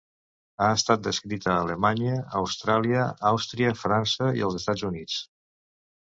Ha estat descrita a Alemanya, Austràlia, Àustria, França i els Estats Units.